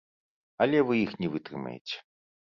Але вы іх не вытрымаеце.